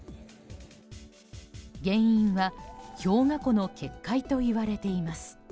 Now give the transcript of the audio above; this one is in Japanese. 原因は氷河湖の決壊といわれています。